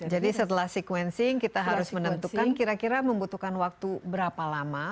jadi setelah sequencing kita harus menentukan kira kira membutuhkan waktu berapa lama